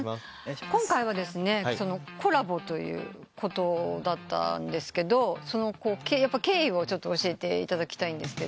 今回はですねコラボということだったんですが経緯を教えていただきたいんですけど。